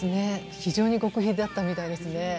非常に極秘だったみたいですね。